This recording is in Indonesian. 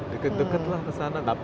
deket deket lah kesana